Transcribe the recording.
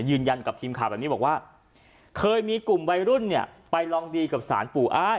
ยืนยันกับทีมข่าวแบบนี้บอกว่าเคยมีกลุ่มวัยรุ่นเนี่ยไปลองดีกับสารปู่อ้าน